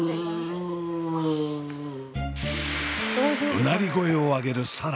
うなり声を上げる紗蘭。